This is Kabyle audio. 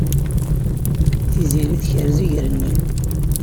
Tiziri tekrez iger-nni.